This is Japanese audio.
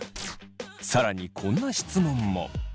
更にこんな質問も。